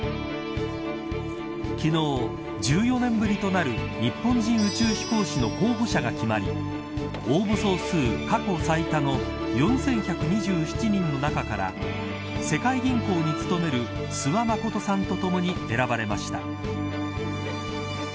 昨日、１４年ぶりとなる日本人宇宙飛行士の候補者が決まり応募総数過去最多の４１２７人の中から世界銀行に務める諏訪理さんと共に選ばれました。